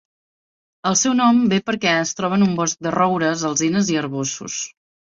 El seu nom ve perquè es troba en un bosc de roures, alzines i arboços.